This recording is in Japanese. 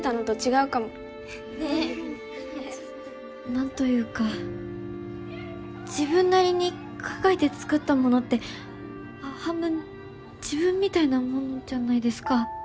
なんというか自分なりに考えて作ったものって半分自分みたいなものじゃないですか。